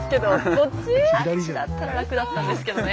あっちだったら楽だったんですけどね。